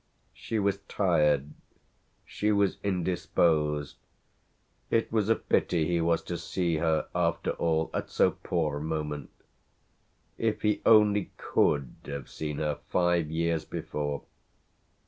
She was tired, she was indisposed: it was a pity he was to see her after all at so poor a moment. If he only could have seen her five years before!